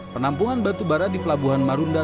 penampungan batubara di pelabuhan marunda